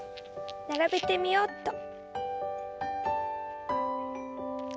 ならべてみようっと。